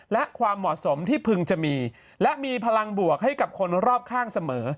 และความเหมาะสมที่พึงจะมีและมีพลังบวกให้กับคนรอบข้างเสมอ